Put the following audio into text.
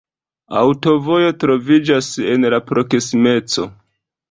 Aŭtovojo troviĝas en la proksimeco.